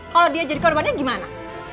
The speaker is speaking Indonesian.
kalau dia jadi korbannya gimana